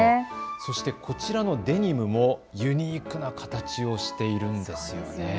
そしてこちらのデニムもユニークな形をしているんですよね。